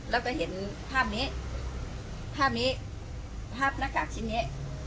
แล้วก็เห็นภาพนี้ภาพนี้ภาพหน้ากากชิ้นนี้